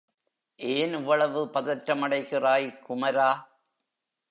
ஏன் இவ்வளவு பதற்றமடைகிறாய் குமரா?